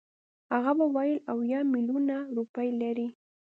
هغه به ویل اویا میلیونه روپۍ لري.